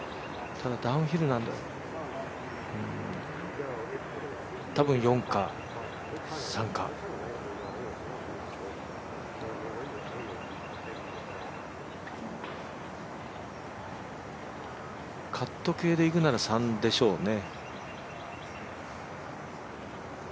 ただ、ダウンヒルなんで４か３かカット系でいくなら３でしょうね。